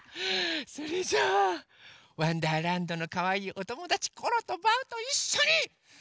それじゃあ「わんだーらんど」のかわいいおともだちコロとバウといっしょに「ピカピカブ！」